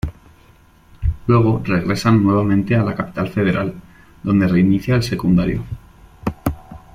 Luego regresan nuevamente a la capital federal, donde reinicia el secundario.